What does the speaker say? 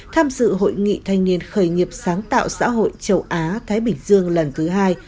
tham dự hội nghị thanh niên khởi nghiệp sáng tạo xã hội châu á thái bình dương lần thứ hai